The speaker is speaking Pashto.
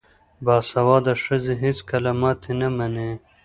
باسواده ښځې هیڅکله ماتې نه مني.